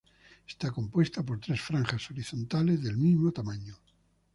Está compuesta por tres franjas horizontales del mismo tamaño.